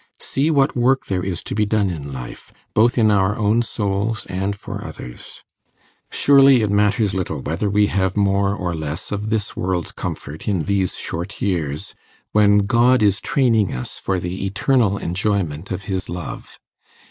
See what work there is to be done in life, both in our own souls and for others. Surely it matters little whether we have more or less of this world's comfort in these short years, when God is training us for the eternal enjoyment of his love.